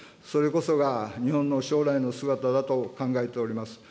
それこそが日本の将来の姿だと考えております。